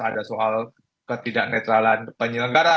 ada soal ketidak netralan penyelenggara